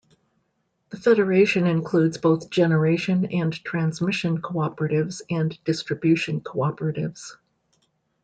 The federation includes both generation and transmission cooperatives and distribution cooperatives.